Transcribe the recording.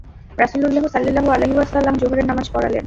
রাসূলুল্লাহ সাল্লাল্লাহু আলাইহি ওয়াসাল্লাম যোহরের নামায পড়ালেন।